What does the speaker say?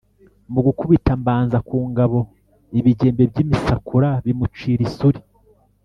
mu gukubita mbanza ku ngabo ibigembe by’imisakura bimucira isuli